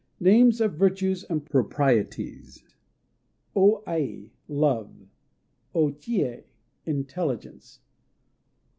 NAMES OF VIRTUES AND PROPRIETIES O Ai "Love." O Chië "Intelligence."